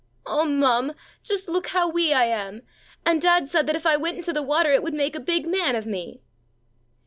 'Oh, mum, just look how wee I am! And dad said that if I went into the water it would make a big man of me!'